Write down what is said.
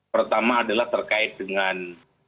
pertama adalah terkait dengan